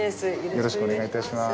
よろしくお願いします。